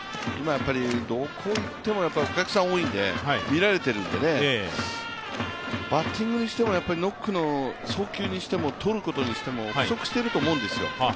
どこ行ってもお客さん多いんで見られてるんでね、バッティングにしてもノックの送球にしてもとることにしても不足してると思うんですよ。